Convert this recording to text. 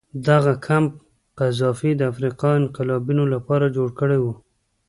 دغه کمپ قذافي د افریقایي انقلابینو لپاره جوړ کړی و.